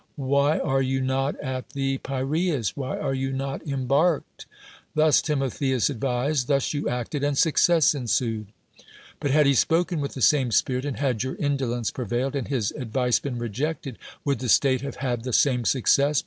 Why are you not at the 141 THE WORLD'S FAMOUS ORATIONS Piraeus? why are you not embarked?" Thus Timotheus advised; thus you acted, and success ensued. But had he spoken with the same spirit, and had your indolence prevailed, and his ad vice been rejected, would the state have had the same success